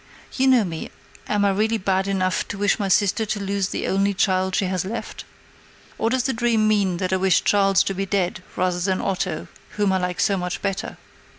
You know me: am I really bad enough to wish my sister to lose the only child she has left? Or does the dream mean that I wish Charles to be dead rather than Otto, whom I like so much better?"